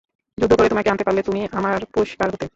যুদ্ধ করে তোমাকে আনতে পারলে তুমি আমার পুরস্কার হতে।